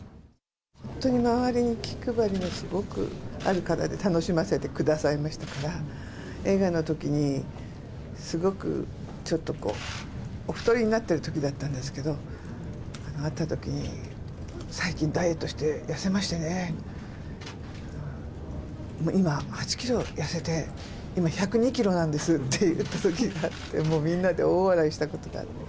本当に周りに気配りのすごくある方で、楽しませてくださいましたから、映画のときにすごく、ちょっとこう、お太りになっているときだったんですけど、会ったときに、最近、ダイエットして痩せましてね、もう今、８キロ痩せて、今、１０２キロなんですって言ったときがあって、みんなで大笑いしたことがあって。